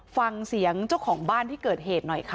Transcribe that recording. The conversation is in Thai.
ฟังเสียงเจ้าของบ้านที่เกิดเหตุหน่อยค่ะ